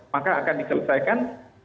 maka akan diselesaikan